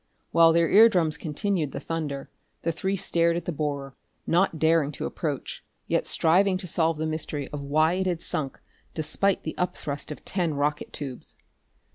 While their ear drums continued the thunder, the three stared at the borer, not daring to approach, yet striving to solve the mystery of why it had sunk despite the up thrust of ten rocket tubes.